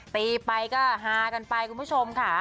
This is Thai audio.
ตีไปก็ฮากันไปคุณผู้ชมค่ะ